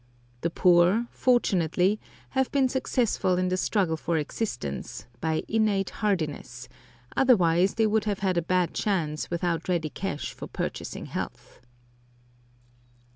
The poor, fortunately, have been successful in the struggle for existence, by innate hardiness, otherwise they would have had a bad chance without ready cash for purchasing health.